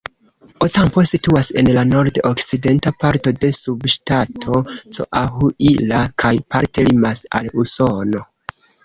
Ocampo situas en la nord-okcidenta parto de subŝtato Coahuila kaj parte limas al Usono.